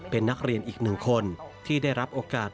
เป็นนักเรียนอีกหนึ่งคนที่ได้รับโอกาส